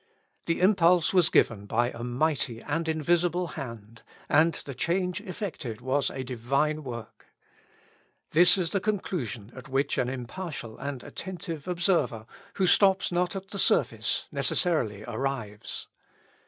The impulse was given by a mighty and invisible hand, and the change effected was a Divine work. This is the conclusion at which an impartial and attentive observer, who stops not at the surface, necessarily arrives.